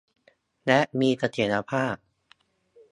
และมีเสถียรภาพ